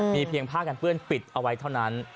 มีเพียงผ้ากันเปื้อนปิดเอาไว้เท่านั้น